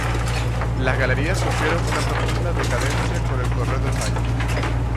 Las Galerías sufrieron una profunda decadencia con el correr de los años.